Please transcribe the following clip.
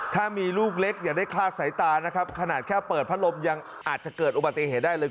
ถ้ามีลูกเล็กอย่าได้คลาดสายตานะครับขนาดแค่เปิดพัดลมยังอาจจะเกิดอุบัติเหตุได้เลย